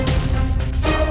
tidak ada apa apa